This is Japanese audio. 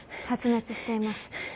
発熱しています